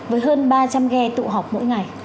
với hơn ba trăm linh ghe tụ học mỗi ngày